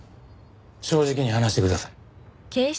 正直に話してください。